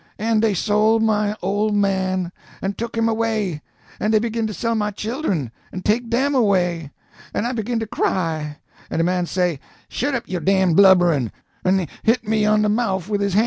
An' dey sole my ole man, an' took him away, an' dey begin to sell my chil'en an' take dem away, an' I begin to cry; an' de man say, 'Shet up yo' damn blubberin',' an' hit me on de mouf wid his han'.